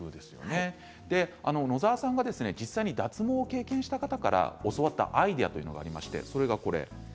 野澤さんが実際に脱毛を経験した方から教わったアイデアあります。